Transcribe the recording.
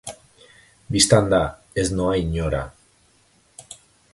Bistan da, ez noa inora!